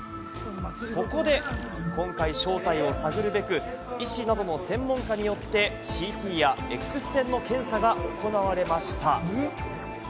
そこで、今回正体を探るべく、医師などの専門家によってＣＴやＸ線の検査が行われました。